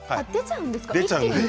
出ちゃうんですね。